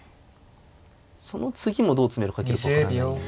その次もどう詰めろかけるか分からないんで。